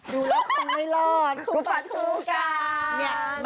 ดูแล้วคงไม่รอดคู่ผัดคู่กัน